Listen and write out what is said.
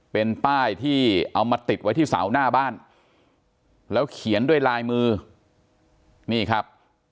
เป็นป้ายที่เอามาติดไว้ที่เสาหน้าบ้านแล้วเขียนด้วยลายมือนี่ครับ